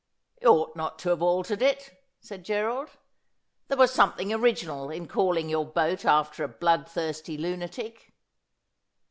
' You ought not to have altered it,' said Gerald. ' There was something original in calling your boat after a blood thirsty lunatic.